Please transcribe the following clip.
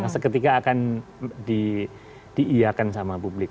seketika akan diiakan sama publik